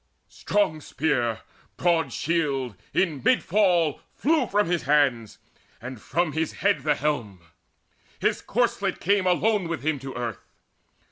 Strong spear, broad shield, in mid fall flew from his hands, And from his head the helm: his corslet came Alone with him to earth.